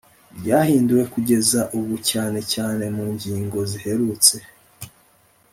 ryahinduwe kugeza ubu cyane cyane mu ngingo ziherutse